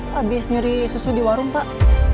habis nyeri susu di warung pak